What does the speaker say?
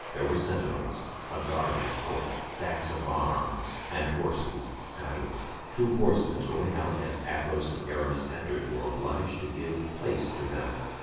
There were sentinels, a guard in the court, stacks of arms, and horses saddled. Two horsemen going out as Athos and Aramis entered were obliged to give place to them.